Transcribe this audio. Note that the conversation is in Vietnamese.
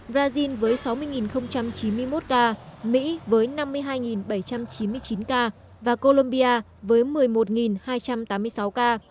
brazil với sáu mươi chín mươi một ca mỹ với năm mươi hai bảy trăm chín mươi chín ca và colombia với một mươi một hai trăm tám mươi sáu ca